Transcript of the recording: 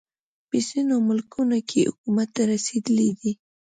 په ځینو ملکونو کې حکومت ته رسېدلی دی.